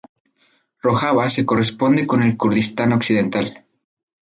Rojava se corresponde con el Kurdistán occidental.